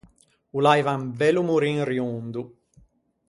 O l’aiva un bello morin riondo.